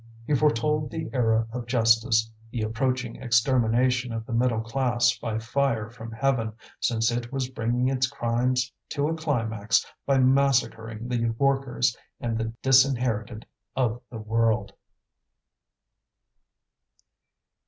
He foretold the era of justice, the approaching extermination of the middle class by fire from heaven, since it was bringing its crimes to a climax by massacring the workers and the disinherited of the world.